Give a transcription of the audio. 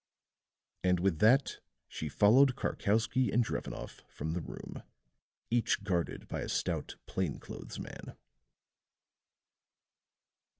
And with that she followed Karkowsky and Drevenoff from the room, each guarded by a stout plain clothes man.